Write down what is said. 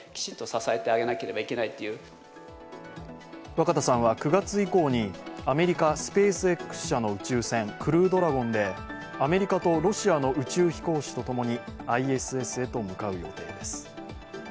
若田さんは９月以降にアメリカ・スペースＸ社の宇宙船、クルードラゴンでアメリカとロシアの宇宙飛行士とともにＩＳＳへと向かう予定です。